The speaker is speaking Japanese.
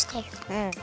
うん。